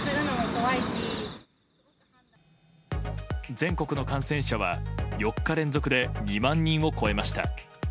全国の感染者は４日連続で２万人を超えました。